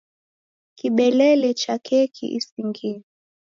Kibelele cha keki isingie.